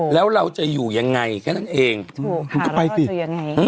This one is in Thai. แล้วเราจะอยู่ยังไงแค่นั้นเองถูกค่ะแล้วเราจะอยู่ยังไง